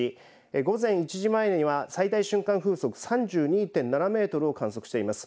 午前１時前には最大瞬間風速３２．７メートルを観測しています。